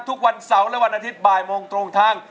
ทุกวันเสาร์และวันอาทิตย์บ่ายโมงตรงทาง